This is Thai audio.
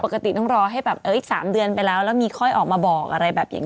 ต้องรอให้แบบอีก๓เดือนไปแล้วแล้วมีค่อยออกมาบอกอะไรแบบอย่างนี้